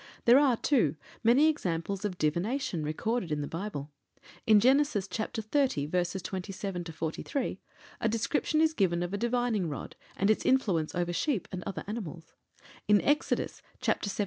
There are, too, many examples of divination recorded in the Bible. In Genesis, chapter xxx., verses 27 43, a description is given of a divining rod and its influence over sheep and other animals; in Exodus, chapter xvii.